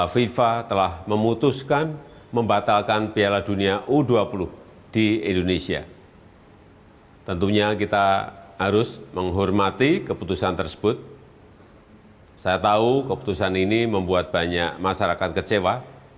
keputusan tersebut saya tahu keputusan ini membuat banyak masyarakat kecewa